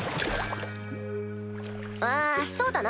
あそうだな